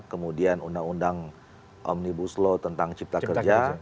kemudian undang undang omnibus law tentang cipta kerja